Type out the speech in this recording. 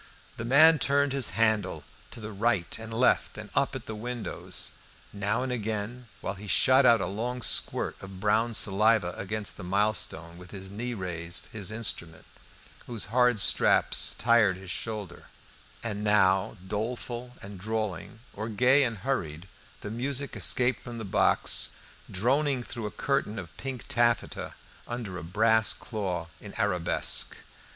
The man turned his handle, looking to the right and left, and up at the windows. Now and again, while he shot out a long squirt of brown saliva against the milestone, with his knee raised his instrument, whose hard straps tired his shoulder; and now, doleful and drawling, or gay and hurried, the music escaped from the box, droning through a curtain of pink taffeta under a brass claw in arabesque.